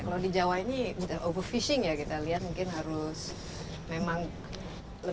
kalau di jawa ini kita over fishing ya kita lihat mungkin harus memang lebih